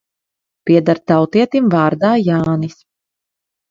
Pieder tautietim vārdā Jānis.